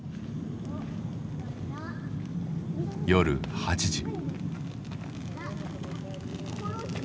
夜８時。